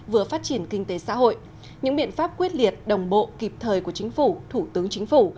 vừa phát triển kinh tế xã hội những biện pháp quyết liệt đồng bộ kịp thời của chính phủ thủ tướng chính phủ